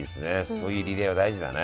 そういうリレーは大事だね。